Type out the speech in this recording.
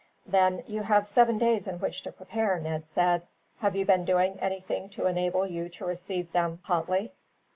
"Then you have seven days in which to prepare," Ned said. "Have you been doing anything to enable you to receive them hotly?"